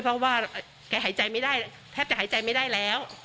เพราะว่าเราแทบแต่หายใจไม่ได้แล้ว